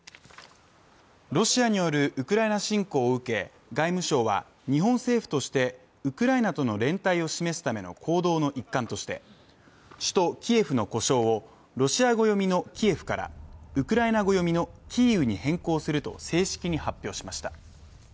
ロシアによるウクライナ侵攻を受け外務省は日本政府として、ウクライナとの連帯を示すための行動の一環として首都キエフの呼称をロシア語読みのキエフからウクライナ語読みのキーウに変更すると正式に発表しました。